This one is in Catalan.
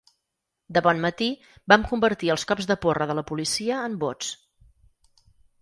De bon matí, vam convertir els cops de porra de la policia en vots.